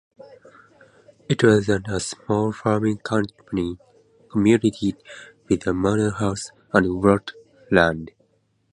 It was then a small farming community with a manor house and woodland.